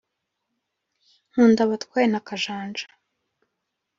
nkundabatware na kajanja